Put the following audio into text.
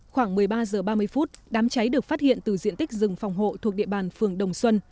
khoảng một mươi ba h ba mươi đám cháy được phát hiện từ diện tích rừng phòng hộ thuộc địa bàn phường đồng xuân